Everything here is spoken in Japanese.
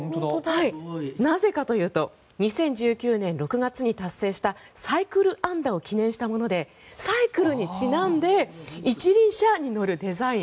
なぜかというと２０１９年６月に達成したサイクル安打を記念したものでサイクルにちなんで一輪車に乗るデザイン。